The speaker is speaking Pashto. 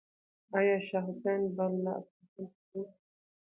آیا شاه حسین به له اصفهان څخه وتښتي؟